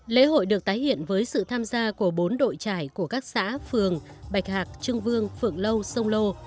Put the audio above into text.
lễ hội được tái hiện với sự tham gia của bốn đội trải của các xã phường bạch hạc trưng vương phượng lâu sông lô